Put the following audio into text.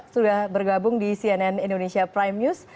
sudah bergabung di cnn indonesia prime news